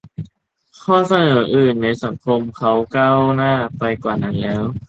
- ข้อเสนออื่นในสังคมเขาก้าวหน้าไปกว่านั้นแล้ว